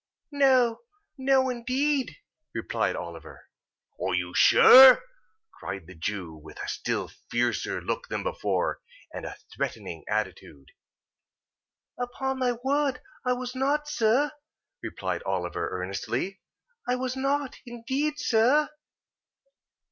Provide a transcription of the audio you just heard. "No! No, indeed!" replied Oliver. "Are you sure?" cried the Jew: with a still fiercer look than before: and a threatening attitude. "Upon my word I was not, sir," replied Oliver, earnestly. "I was not, indeed, sir."